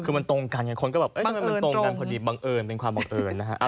คือมันตรงกันไงคนก็แบบทำไมมันตรงกันพอดีบังเอิญเป็นความบังเอิญนะฮะ